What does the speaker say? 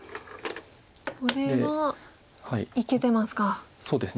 これはいけてますか。